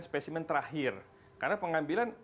spesimen terakhir karena pengambilan